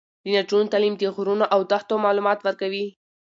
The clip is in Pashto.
د نجونو تعلیم د غرونو او دښتو معلومات ورکوي.